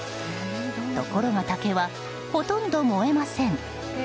ところが竹はほとんど燃えません。